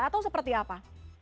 atau seperti apa